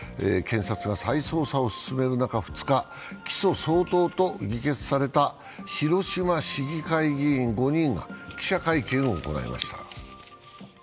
検察が再捜査を進める中、２日、起訴相当と議決された広島市議会議員５人が記者会見を行いました。